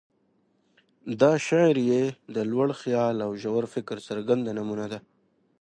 دا شعر یې د لوړ خیال او ژور فکر څرګنده نمونه ده.